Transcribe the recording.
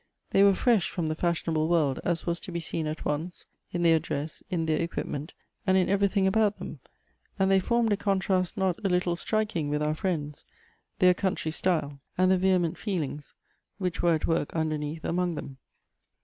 They were fresh from the fashionable vorld, as was to be seen at once, in their dress, in their Elective Affinities. 85 equipment, and in everything about them ; and they formed a contrast not a little striking with our friends, their country style, and the vehement feelings which were at work underneath among them.